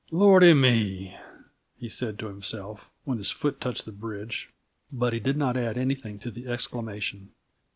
"Lordy me!" he said to himself, when his foot touched the bridge, but he did not add anything to the exclamation.